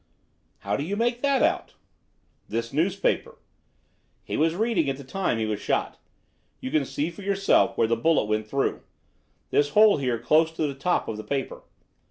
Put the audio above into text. "How do you make that out?" "This newspaper. He was reading at the time he was shot. You can see for yourself where the bullet went through this hole here close to the top of the paper.